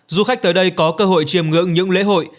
du khách tới đây có cơ hội chiêm ngưỡng những lễ hội